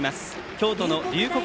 京都の龍谷